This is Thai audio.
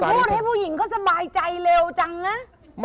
พูดให้ผู้หญิงเขาสบายใจเร็วจังนะ